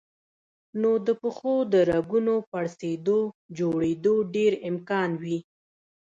نو د پښو د رګونو پړسېدو جوړېدو ډېر امکان وي